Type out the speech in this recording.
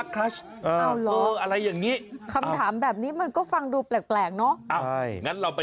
คำถามแบบนี้มันก็ฟังดูแปลกเนาะ